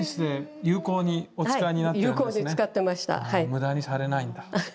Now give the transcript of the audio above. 無駄にされないんだ。